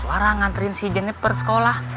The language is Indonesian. warah nganterin si jenit persekolah